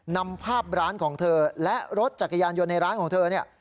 นำภาพร้านของเธอและรถจักรยานยนต์ในร้านของเธอเนี่ย